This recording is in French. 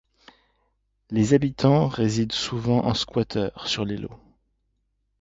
Les habitants résident souvent en squatters sur les lots.